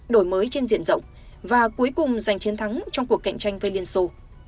đổi mới trên diện rộng và cuối cùng giành chiến thắng trong cuộc cạnh tranh với liên xô